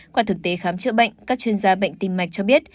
qua thực tế khám chữa bệnh các chuyên gia bệnh tim mạch cho biết